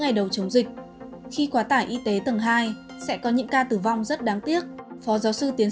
ngày đầu chống dịch khi quá tải y tế tầng hai sẽ có những ca tử vong rất đáng tiếc phó giáo sư tiến